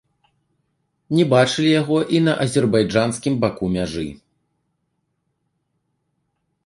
Не бачылі яго і на азербайджанскім баку мяжы.